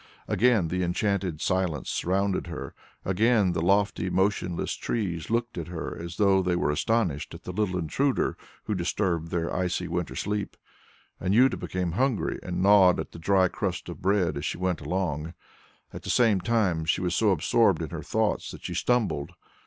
Again the enchanted silence surrounded her, again the lofty motionless trees looked at her as though they were astonished at the little intruder who disturbed their icy winter sleep. Anjuta became hungry and gnawed at a dry crust of bread as she went along; at the same time she was so absorbed in her thoughts that she stumbled.